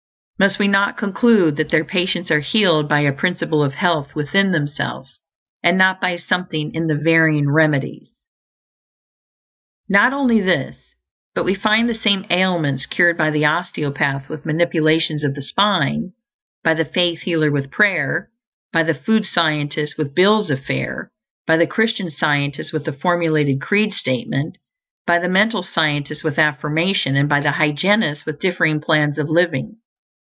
Must we not conclude that their patients are healed by a Principle of Health within themselves, and not by something in the varying "remedies"? Not only this, but we find the same ailments cured by the osteopath with manipulations of the spine; by the faith healer with prayer, by the food scientist with bills of fare, by the Christian Scientist with a formulated creed statement, by the mental scientist with affirmation, and by the hygienists with differing plans of living.